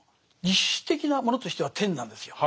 実質的なものとしては天なんですよ。